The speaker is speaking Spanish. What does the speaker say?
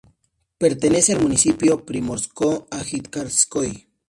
Pertenece al municipio Primorsko-Ajtárskoye.